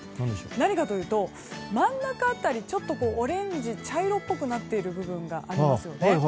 何かというと真ん中辺りちょっとオレンジ茶色っぽくなっている部分がありますよね。